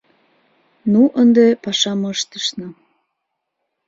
Ну, ынде пашам ыштышна.